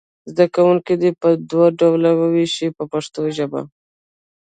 زده کوونکي دې په دوو ډلو وویشئ په پښتو ژبه.